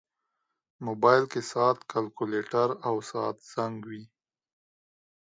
موبایل کې ساعت، کیلکولیټر، او ساعت زنګ وي.